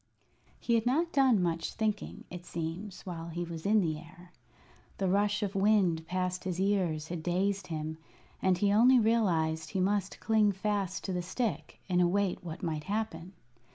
He had not done much thinking, it seems, while he was in the air. The rush of wind past his ears had dazed him, and he only realized he must cling fast to the stick and await what might happen.